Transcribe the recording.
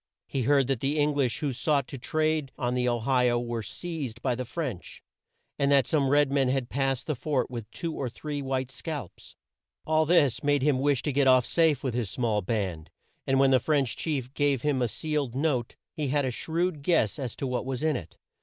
He heard that the Eng lish who sought to trade on the O hi o were seized by the French, and that some red men had passed the fort with two or three white scalps. All this made him wish to get off safe with his small band, and when the French chief gave him a sealed note, he had a shrewd guess as to what was in it.